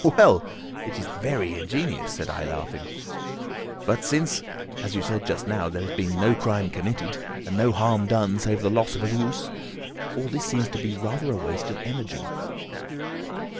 "Well, it is very ingenious," said I, laughing; "but since, as you said just now, there has been no crime committed, and no harm done save the loss of a goose, all this seems to be rather a waste of energy."